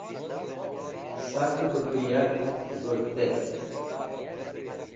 Sakẽ bẽ k̃hũ yark g̃hũrtetk.